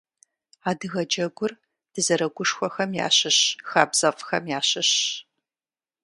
Адыгэ джэгур дызэрыгушхуэхэм ящыщ хабзэфӏхэм ящыщщ.